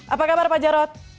apa kabar pak jarod